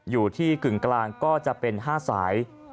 อยู่ที่กึ่งกลางก็จะเป็น๕สาย